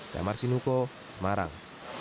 damar sinuko semarang